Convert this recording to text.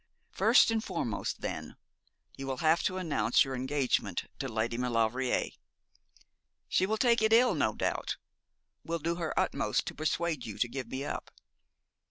First and foremost, then, you will have to announce your engagement to Lady Maulevrier. She will take it ill, no doubt; will do her utmost to persuade you to give me up.